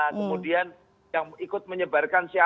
kemudian yang ikut menyebarkan